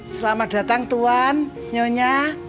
selamat datang tuan nyonya